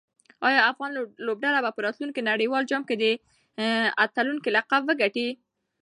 آیا افغان لوبډله به په راتلونکي نړیوال جام کې د اتلولۍ لقب وګټي؟